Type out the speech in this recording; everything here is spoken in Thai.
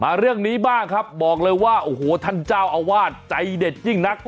เรื่องนี้บ้างครับบอกเลยว่าโอ้โหท่านเจ้าอาวาสใจเด็ดยิ่งนัก